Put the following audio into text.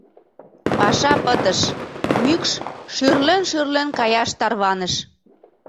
Паша пытыш, мӱкш шӱрлен-шӱрлен каяш тарваныш.